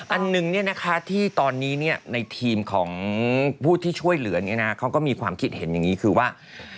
อันหนึ่งที่ตอนนี้ในทีมของผู้ที่ช่วยเหลือเนี่ยนะเขาก็มีความคิดเห็นอย่างนี้คือว่า